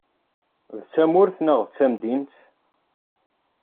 D tamurt neɣ d tamdint?